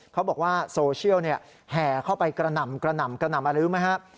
เขาบอกว่าโซเชียลแห่เข้าไปกระหน่ำกระหน่ำกระหน่ำอะไรรู้ไหมครับ